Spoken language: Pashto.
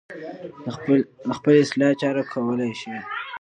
د خپلې اصلاح چاره کولی شي.